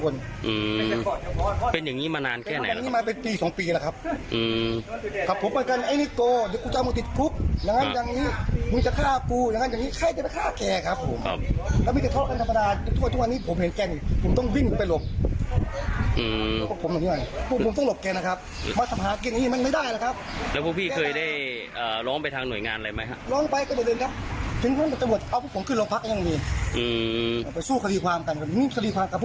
แล้วพวกพี่เคยได้ล้องไปทางหน่วยงานอะไรไหมครับ